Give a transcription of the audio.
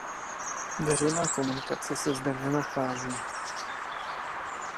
Veřejná komunikace se zde nenachází.